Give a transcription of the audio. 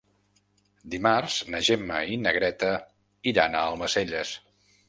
Dimarts na Gemma i na Greta iran a Almacelles.